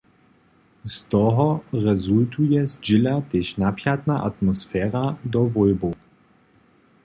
Z toho rezultuje zdźěla tež napjata atmosfera do wólbow.